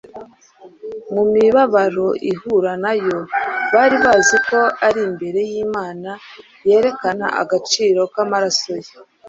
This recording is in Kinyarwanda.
mu mibabaro ihura nayo. Bari bazi ko ari imbere y’Imana yerekana agaciro k’amaraso ye,